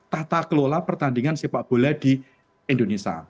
tata kelola pertandingan sepak bola di indonesia